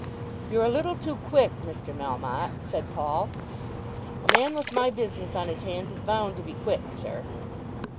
"You're a little too quick, Mr. Melmotte," said Paul. "A man with my business on his hands is bound to be quick, sir."